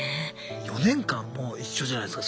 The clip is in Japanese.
４年間も一緒じゃないすか